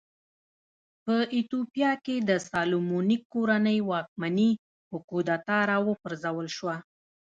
په ایتوپیا کې د سالومونیک کورنۍ واکمني په کودتا راوپرځول شوه.